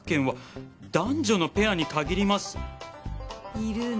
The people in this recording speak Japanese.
いるの？